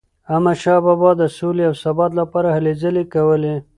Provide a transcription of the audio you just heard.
احمدشاه بابا د سولې او ثبات لپاره هلي ځلي کولي.